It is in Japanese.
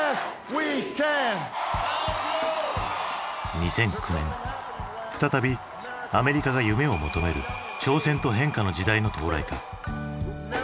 ２００９年再びアメリカが夢を求める挑戦と変化の時代の到来か。